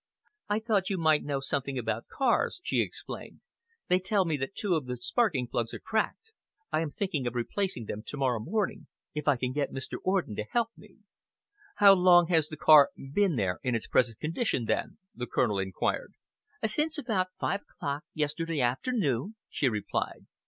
"I thought you might know something about cars," she explained. "They tell me that two of the sparking plugs are cracked. I am thinking of replacing them tomorrow morning, if I can get Mr. Orden to help me." "How long has the car been there in its present condition, then?" the Colonel enquired. "Since about five o'clock yesterday afternoon," she replied.